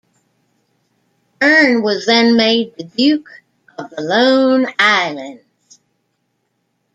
Bern was then made the Duke of the Lone Islands.